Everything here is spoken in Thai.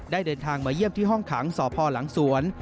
เดินทางมาเยี่ยมที่ห้องขังสพหลังสวน